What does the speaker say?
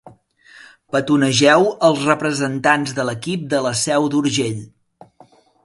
Petonegeu els representants de l'equip de la Seu d'Urgell.